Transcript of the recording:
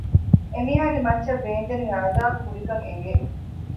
އެމީހާގެ މައްޗަށް ވޭންދެނިވި ޢަޛާބު ހުރިކަން އެނގެ